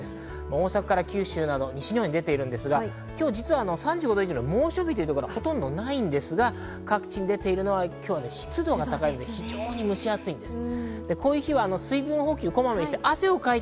大阪から九州など西日本に出ているんですが、実は今日、３５度以上の猛暑日ではないんですが各地に出ているのは湿度が高く非常に蒸し暑いです。